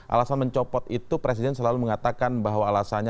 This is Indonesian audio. alasan mencopot itu presiden selalu mengatakan bahwa alasan itu